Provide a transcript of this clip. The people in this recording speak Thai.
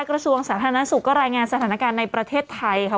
กระทรวงสาธารณสุขก็รายงานสถานการณ์ในประเทศไทยค่ะ